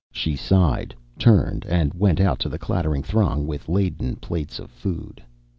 She sighed, turned, and went out to the clattering throng with laden plates of food.